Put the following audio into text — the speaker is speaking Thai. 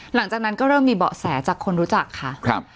หลังจากนั้นก็เริ่มมีเบาะแสจากคนรู้จักค่ะครับ